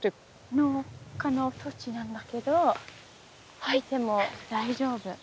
農家の土地なんだけど入っても大丈夫。